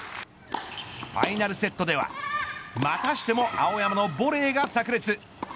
ファイナルセットではまたしても青山のボレーがさく裂。